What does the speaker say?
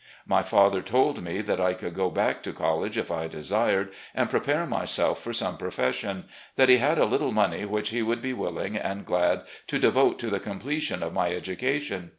My father told me that I could go back to college if I desired and prepare myself for some profes sion — ^that he had a little money which he would be willing and glad to devote to the completion of my education.